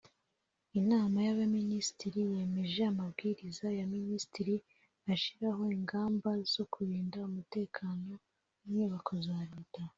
Inama y’Abaminisitiri yemeje Amabwiriza ya Minisitiri ashyiraho ingamba zo kurinda umutekano w’inyubako za Leta